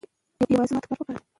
بوخت خلک مثبت فکر لري.